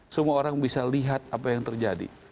semua orang bisa lihat apa yang terjadi